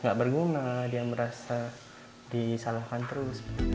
nggak berguna dia merasa disalahkan terus